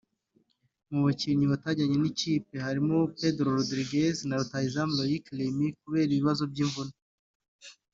Mu bakinnyi batajyanye n’ikipe harimo Pedro Rodriguez na rutahizamu Loic Remy kubera ibibazo by’imvune